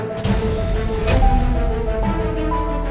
dikendalikan terogasi di kantor polisi